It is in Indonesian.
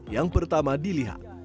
yang pertama dilihat